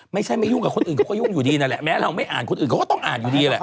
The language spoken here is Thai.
ไม่ยุ่งกับคนอื่นเขาก็ยุ่งอยู่ดีนั่นแหละแม้เราไม่อ่านคนอื่นเขาก็ต้องอ่านอยู่ดีแหละ